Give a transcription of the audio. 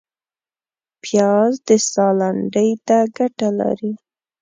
پیاز د ساه لنډۍ ته ګټه لري